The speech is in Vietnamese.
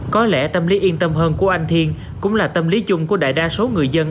có lẽ tâm lý yên tâm hơn của anh thiên cũng là tâm lý chung của đại đa số người dân